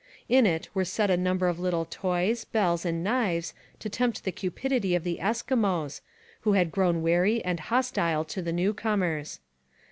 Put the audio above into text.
In it were set a number of little toys, bells, and knives to tempt the cupidity of the Eskimos, who had grown wary and hostile to the newcomers.